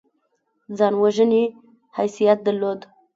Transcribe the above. ځان وژنې حیثیت درلود.